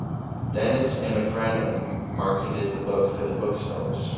Dennis and a friend marketed the book to the booksellers.